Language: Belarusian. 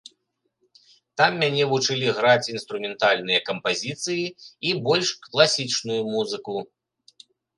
Там мяне вучылі граць інструментальныя кампазіцыі і больш класічную музыку.